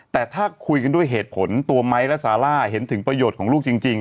แต่ถ้าคุยกันด้วยเหตุผลตัวไม้และซาร่าเห็นถึงประโยชน์ของลูกจริง